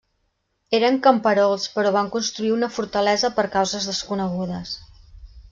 Eren camperols però van construir una fortalesa per causes desconegudes.